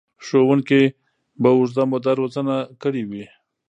ښوونکي به اوږده موده روزنه کړې وي.